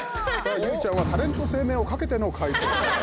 結実ちゃんはタレント生命をかけての解答。